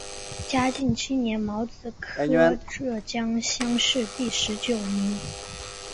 嘉靖七年戊子科浙江乡试第十九名。